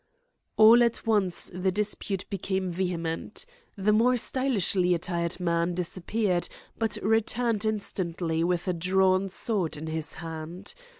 "All at once the dispute became vehement. The more stylishly attired man disappeared, but returned instantly with a drawn sword in his hand.